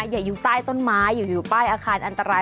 อยู่ใต้ต้นไม้อย่าอยู่ป้ายอาคารอันตราย